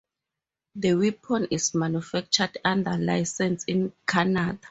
The weapon is manufactured under license in Canada.